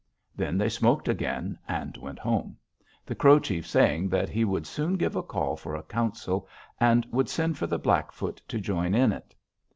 Then they smoked again and went home, the Crow chief saying that he would soon give a call for a council, and would send for the Blackfoot to join in it.